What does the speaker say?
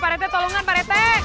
pak retek tolongan pak retek